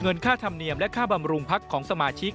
ค่าธรรมเนียมและค่าบำรุงพักของสมาชิก